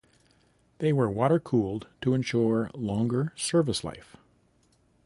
They were water cooled to ensure longer service life.